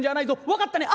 分かったね」。